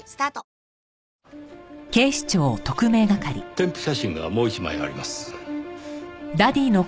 添付写真がもう一枚あります。